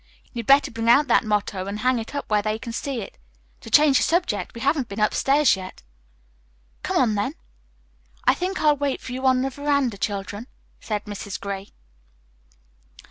You'd better bring out that motto and hang it up where they can see it. To change the subject, we haven't been upstairs yet." "Come on, then." "I think I'll wait for you on the veranda, children," said Mrs. Gray.